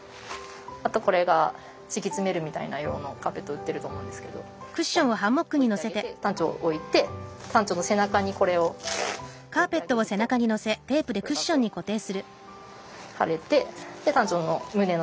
あとこれが敷き詰めるみたいな用のカーペット売っていると思うんですけどここに置いてあげてタンチョウを置いてタンチョウの背中にこれを置いてあげるとこれがこう貼れて。